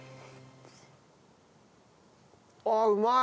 ああうまい！